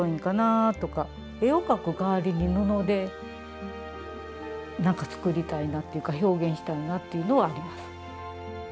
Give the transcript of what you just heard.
絵を描くかわりに布でなんか作りたいなっていうか表現したいなっていうのはあります。